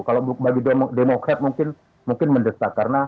kalau bagi demokrasi mungkin mendesak